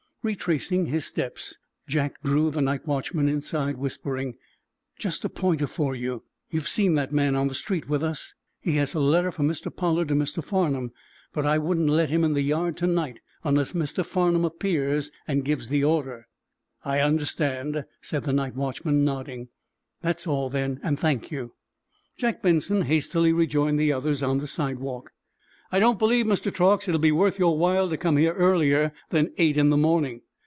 Retracing his steps, Jack drew the night watchman inside, whispering: "Just a pointer for you. You've seen that man on the street with us? He has a letter from Mr. Pollard to Mr. Farnum, but I wouldn't let him in the yard to night, unless Mr. Farnum appears and gives the order." "I understand," said the night watchman, nodding. "That's all, then, and thank you." Jack Benson hastily rejoined the others on the sidewalk. "I don't believe, Mr. Truax, it will be worth your while to come here earlier than eight in the morning.